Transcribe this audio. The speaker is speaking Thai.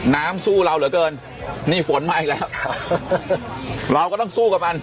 สู้เราเหลือเกินนี่ฝนมาอีกแล้วเราก็ต้องสู้กับมัน